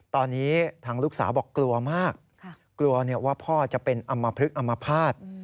ตอนนี้ทางลูกสาวบอกกลัวมากกลัวว่าพ่อจะเป็นอำมพลึกอมภาษณ์